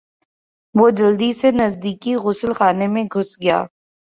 وہ جلدی سے نزدیکی غسل خانے میں گھس گئی۔